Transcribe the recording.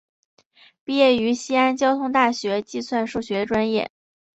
毕业于西安交通大学计算数学专业。